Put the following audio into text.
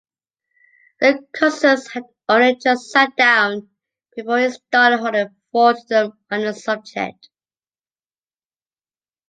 The cousins had only just sat down before he started holding forth to them on the subject.